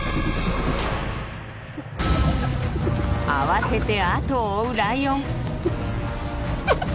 慌ててあとを追うライオン。